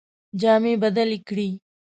جامې بدلي کړې.